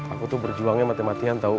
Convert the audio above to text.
aku itu berjuangnya mati matian tahu